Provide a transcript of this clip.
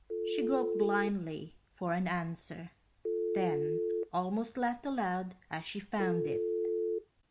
She groped blindly for an answer, then almost laughed aloud as she found it.